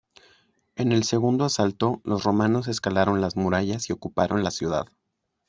En el segundo asalto los romanos escalaron las murallas y ocuparon la ciudad.